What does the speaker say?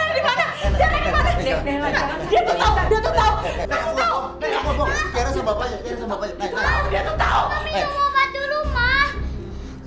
kau minum obat dulu mah